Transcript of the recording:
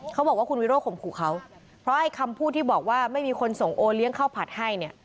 เขาบอกว่าคุณวิโร่ข่มขู่เขาเพราะไอ้คำพูดที่บอกว่าไม่มีคนส่งโอเลี้ยงข้าวผัดให้เนี่ย